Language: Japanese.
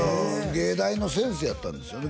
芸大の先生やったんですよね